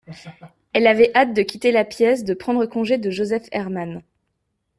Elle avait hâte de quitter la pièce, de prendre de congé de Joseph Herman